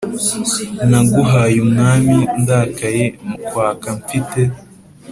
Naguhaye umwami ndakaye mukwaka mfite